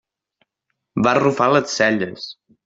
Va arrufar les celles.